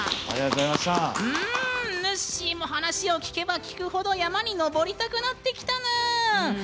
ぬっしーも話を聞けば聞くほど山に登りたくなってきたぬーん！